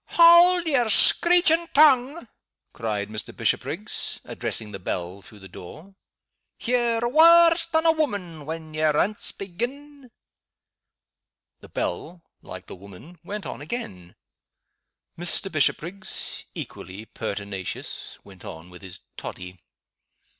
"Haud yer screechin' tongue!" cried Mr. Bishopriggs, addressing the bell through the door. "Ye're waur than a woman when ye aince begin!" The bell like the woman went on again. Mr. Bishopriggs, equally pertinacious, went on with his toddy.